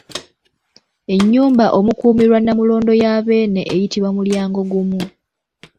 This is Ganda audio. Ennyumba omukuumirwa namulondo ya Beene eyitibwa mulyangogumu.